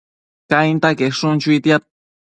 Cainta quequin chuitiad